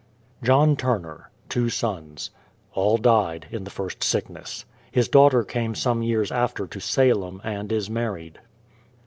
JOHN TURNER; two sons. All died in the first sickness. His daughter came some years after to Salem, and is married.